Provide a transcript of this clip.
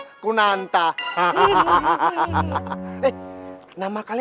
akhirnyaixon saya dquerit